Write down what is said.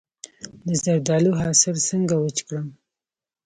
د زردالو حاصل څنګه وچ کړم؟